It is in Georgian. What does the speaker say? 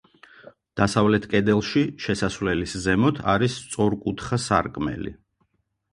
დასავლეთ კედელში, შესასვლელის ზემოთ, არის სწორკუთხა სარკმელი.